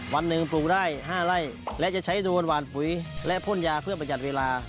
วันหนึ่งปลูกได้๕ไร่และจะใช้โดรหวานปุ๋ยและพ่นยาเพื่อประหยัดเวลา